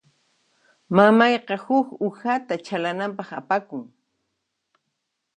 Mamayqa huk uhata chhalananpaq apakun.